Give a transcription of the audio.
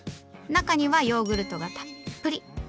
中にはヨーグルトがたっぷり。